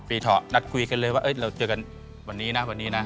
เถาะนัดคุยกันเลยว่าเราเจอกันวันนี้นะวันนี้นะ